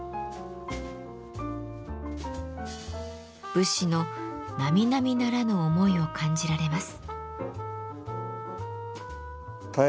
武士の並々ならぬ思いを感じられます。